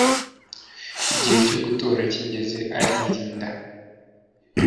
Igihe cyo gutora kigeze aririnda